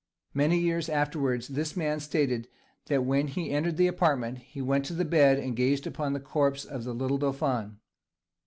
Many years afterwards this man stated that when he entered the apartment he went to the bed and gazed upon the corpse of the little dauphin.